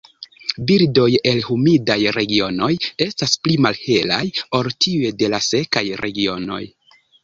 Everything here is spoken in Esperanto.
Birdoj el humidaj regionoj estas pli malhelaj ol tiuj de la sekaj regionoj.